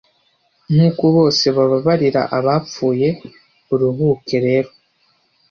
Nkuko bose bababarira abapfuye. Uruhuke rero